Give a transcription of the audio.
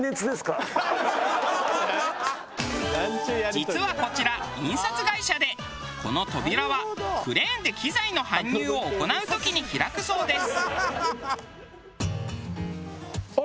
実はこちら印刷会社でこの扉はクレーンで機材の搬入を行う時に開くそうです。